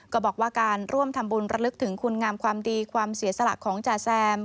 ก็บอกว่าการร่วมทำบุญระลึกถึงคุณงามความดีความเสียสละของจ่าแซม